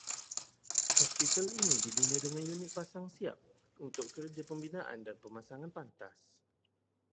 Hospital ini dibina dengan unit pasang siap untuk kerja pembinaan dan pemasangan pantas